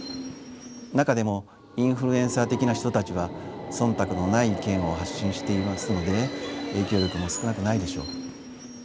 中でもインフルエンサー的な人たちは忖度のない意見を発信していますので影響力も少なくないでしょう。